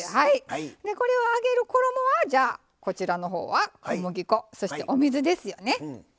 これを揚げる衣はじゃあこちらの方は小麦粉そしてお水ですよね。